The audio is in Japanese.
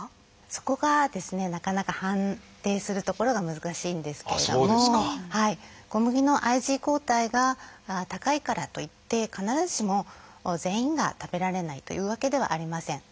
そこがですねなかなか判定するところが難しいんですけれども小麦のＩｇＥ抗体が高いからといって必ずしも全員が食べられないというわけではありません。